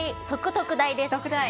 特特大です。